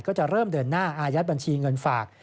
ก็จะเริ่มเดินหน้าอายัดบัญชีเงินฝาก